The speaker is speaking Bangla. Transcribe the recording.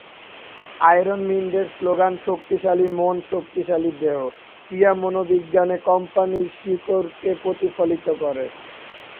আয়রনমিন্ডের স্লোগান, "শক্তিশালী মন, শক্তিশালী দেহ" ক্রীড়া মনোবিজ্ঞানে কোম্পানির শিকড়কে প্রতিফলিত করে।